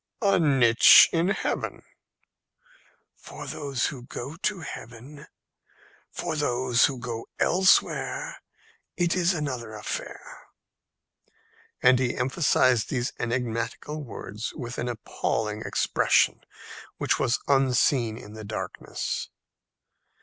"A niche in heaven." "For those who go to heaven; for those who go elsewhere it is another affair." And he emphasized these enigmatical words with an appalling expression which was unseen in the darkness.